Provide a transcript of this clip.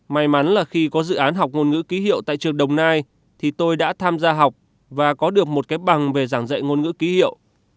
may mắn là khi có dự án học ngôn ngữ ký hiệu tại trường đồng nai thì tôi đã tham gia học và có được một cái bằng về giảng dạy ngôn ngữ ký hiệu